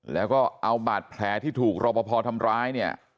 แล้วก็เอาบาดแผลที่ถูกรอปภทำร้ายเนี่ย